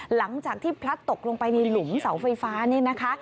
หลังจากที่พลัดตกลงไปในหลุมเสาไฟฟ้านี่นะคะ